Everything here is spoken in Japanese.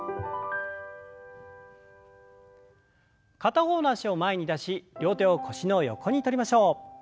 片方の脚を前に出し両手を腰の横にとりましょう。